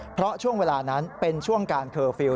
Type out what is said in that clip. เพราะช่วงเวลานั้นเป็นช่วงการเคอร์ฟิลล